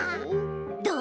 どう？